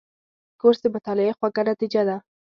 کورس د مطالعې خوږه نتیجه ده.